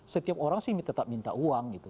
setiap orang sih tetap minta uang gitu